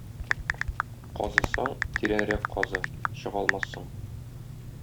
казысаң, тирәнрәк казы — чыга алмассың.